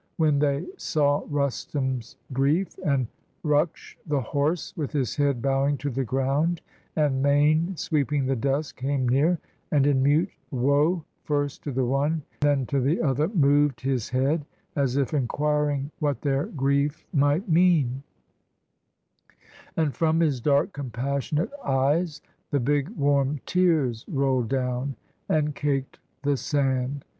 When they saw Rustum's grief; and Ruksh, the horse, With his head bowing to the ground, and mane Sweeping the dust, came near, and in mute woe First to the one, then to the other, mov'd His head, as if inquiring what their grief Might mean ; and from his dark compassionate eyes. The big warm tears roll'd down, and cak'd the sand.